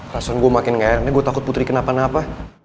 rasanya gue makin ngerang deh gue takut putri kenapa napa